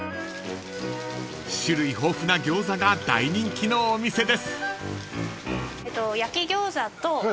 ［種類豊富なギョーザが大人気のお店です］